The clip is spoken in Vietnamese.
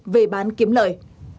về bán kiếm lợi